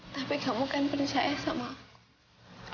tapi kamu kan percaya sama aku